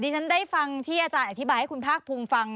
ฉันได้ฟังที่อาจารย์อธิบายให้คุณภาคภูมิฟัง